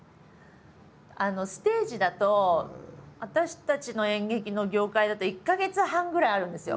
ステージだと私たちの演劇の業界だと１か月半ぐらいあるんですよ